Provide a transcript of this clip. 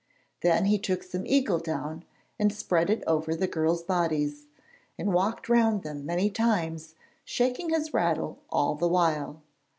Then he took some eagle down and spread it over the girls' bodies, and walked round them many times, shaking his rattle all the while.